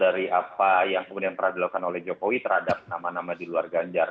dari apa yang kemudian pernah dilakukan oleh jokowi terhadap nama nama di luar ganjar